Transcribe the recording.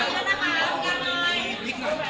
คิดเหมือนกันเลยว่า